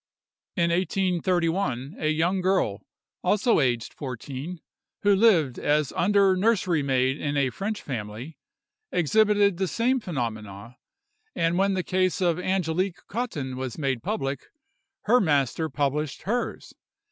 In 1831, a young girl, also aged fourteen, who lived as under nursery maid in a French family, exhibited the same phenomena, and when the case of Angelique Cottin was made public, her master published hers.